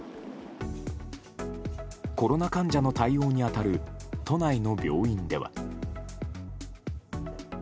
コロナ患者の対応に当たる都内の病院では。